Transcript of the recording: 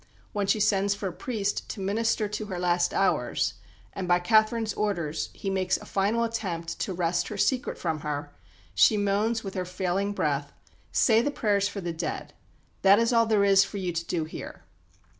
When she sends for a priest to minister to her last hours, and, by Catherine's orders, he makes a final attempt to wrest her secret from her, she moans with her failing breath, "Say the prayers for the dead. That is all there is for you to do here."